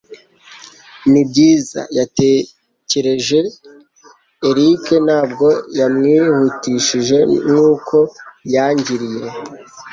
Nibyiza, yatekereje Eric, ntabwo yamwihutishije nkuko yangiriye.